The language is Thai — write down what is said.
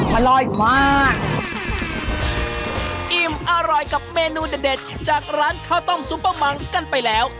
อร่อยมากอิ่มอร่อยกับเมนูเด็ดเด็ดจากร้านข้าวต้มซุปเปอร์มังกันไปแล้ว